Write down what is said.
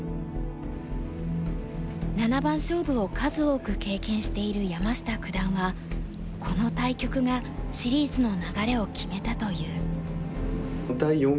七番勝負を数多く経験している山下九段はこの対局がシリーズの流れを決めたと言う。